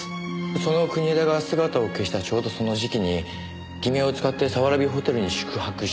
その国枝が姿を消したちょうどその時期に偽名を使って早蕨ホテルに宿泊していた。